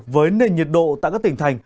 với nền nhiệt độ tại các tỉnh thành